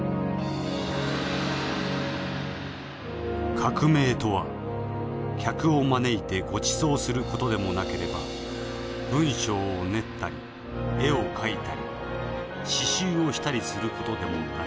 「革命とは客を招いてごちそうする事でもなければ文章を練ったり絵を描いたり刺繍をしたりする事でもない。